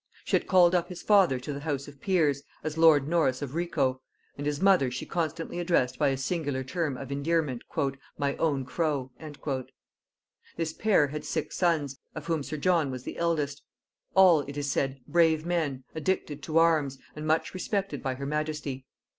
She had called up his father to the house of peers, as lord Norris of Ricot; and his mother she constantly addressed by a singular term of endearment, "My own Crow." This pair had six sons, of whom sir John was the eldest; all, it is said, brave men, addicted to arms, and much respected by her majesty.